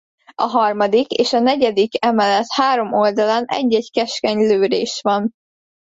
A harmadik és negyedik emelet három oldalán egy-egy keskeny lőrés van.